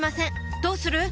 どうする？